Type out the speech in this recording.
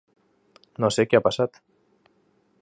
No sé què ha passat.